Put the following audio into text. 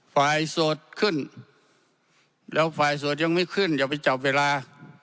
โสดขึ้นแล้วฝ่ายโสดยังไม่ขึ้นอย่าไปจับเวลา